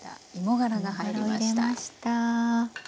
芋がらを入れました。